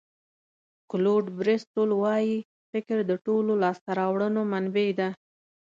کلوډ بریسټول وایي فکر د ټولو لاسته راوړنو منبع ده.